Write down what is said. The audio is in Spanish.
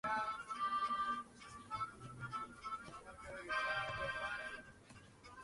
Se han publicado dos versiones cooperativas de los powerups para persecuciones.